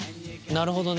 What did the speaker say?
なるほどね。